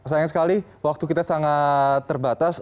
sayang sekali waktu kita sangat terbatas